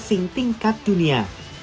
asing tingkat dunia